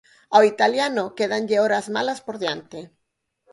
Ao italiano quédanlle horas malas por diante.